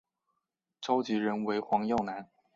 召集人为黄耀南。